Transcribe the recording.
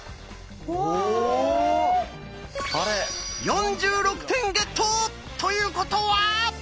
４６点ゲット！ということは！